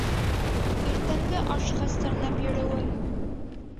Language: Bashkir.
Иртәнге аш хәстәрләп йөрөүем.